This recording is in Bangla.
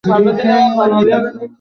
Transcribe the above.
একজন স্নেহময় পিতার দায়িত্ব।